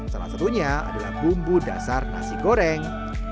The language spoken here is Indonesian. salah satunya adalah bumbu dasar nasi goreng